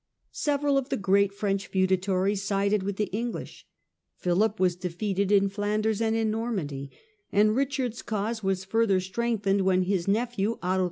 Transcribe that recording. Several of the great French feudatories sided with the English, Philip was defeated in Flanders and in Normandy, and Richard's cause was further strengthened when his nephew Otto IV.